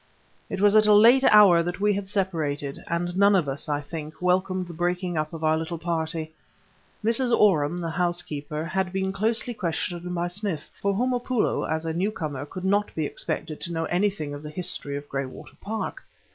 It was at a late hour that we had separated, and none of us, I think, welcomed the breaking up of our little party. Mrs. Oram, the housekeeper, had been closely questioned by Smith for Homopoulo, as a new comer, could not be expected to know anything of the history of Graywater Park.